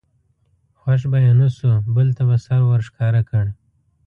خوښ به یې نه شو بل ته به سر ور ښکاره کړ.